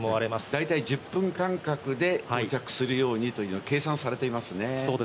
大体１０分間隔で到着するようにと計算されていますね。